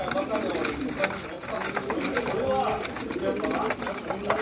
俺もこれはちょっとやっぱワーッてなると思ったの。